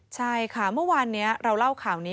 ใช่ค่ะเมื่อวานนี้เราเล่าข่าวนี้